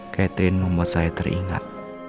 catherine membuat saya teringat